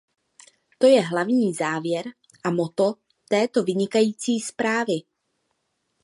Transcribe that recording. To je hlavní závěr a motto této vynikající zprávy.